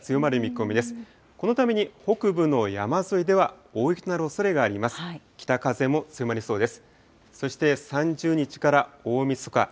このために北部の山沿いでは大雪となるおそれがあります。